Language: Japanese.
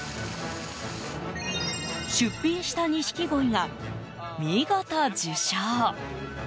出品した錦鯉が見事、受賞。